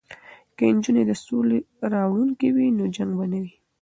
که نجونې د سولې راوړونکې وي نو جنګ به نه وي.